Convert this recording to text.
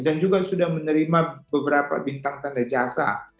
dan juga sudah menerima beberapa bintang tanda jasa